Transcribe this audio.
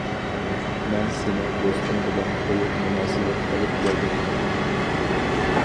مەن سېنىڭ دوستۇڭ بىلەن قويۇق مۇناسىۋەت قىلىپ كەلدىم.